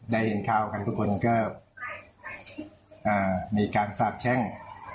ได้เห็นข่าวกันทุกคนก็มีการสาบแช่ง